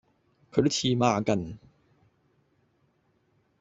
佢都黐孖根